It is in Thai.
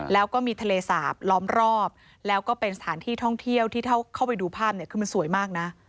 แล้วก็มีทะเลสาบล้อมรอบแล้วก็เป็นสถานที่ท่องเที่ยวที่เข้าไปดูภาพเนี่ยคือมันสวยมากนะ